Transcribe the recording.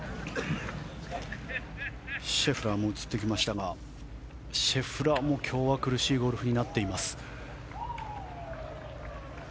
シェフラーも映ってきましたがシェフラーも今日は苦しいゴルフになっています。